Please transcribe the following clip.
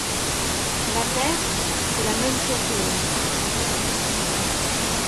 La terre, c'est la même chose que l'homme.